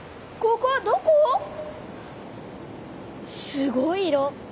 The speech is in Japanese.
すごい色。